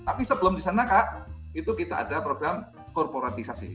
tapi sebelum di sana kak itu kita ada program korporatisasi